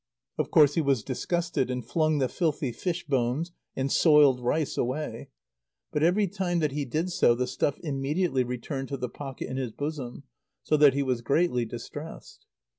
Of course he was disgusted, and flung the filthy fish bones and soiled rice away But every time that he did so the stuff immediately returned to the pocket in his bosom, so that he was greatly distressed.